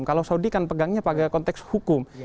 kalau saudi kan pegangnya pada konteks hukum